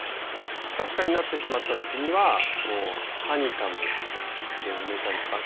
スカスカになってしまった時にはこうハニカムで埋めたりとか。